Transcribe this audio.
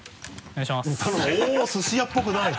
おぉすし屋っぽくない。